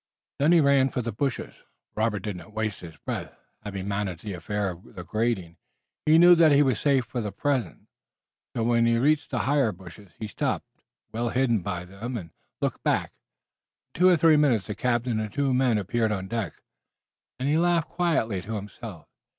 Then he ran for the bushes. Robert did not waste his breath. Having managed the affair of the grating, he knew that he was safe for the present. So, when he reached the higher bushes, he stopped, well hidden by them, and looked back. In two or three minutes the captain and the two men appeared on the deck, and he laughed quietly to himself.